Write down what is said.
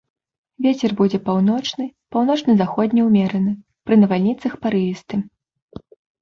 Вецер будзе паўночны, паўночна-заходні ўмераны, пры навальніцах парывісты.